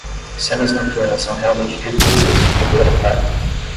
Cenas noturnas são realmente difíceis de fotografar